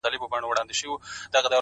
ها ښکلې که هر څومره ما وغواړي”